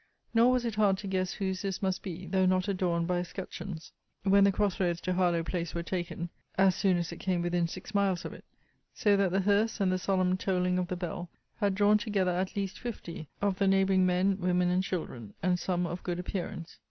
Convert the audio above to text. Nor was it hard to guess whose this must be, though not adorned by escutcheons, when the cross roads to Harlowe place were taken, as soon as it came within six miles of it; so that the hearse, and the solemn tolling of the bell, had drawn together at least fifty of the neighbouring men, women, and children, and some of good appearance.